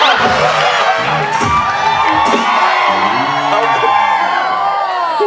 โอ้โห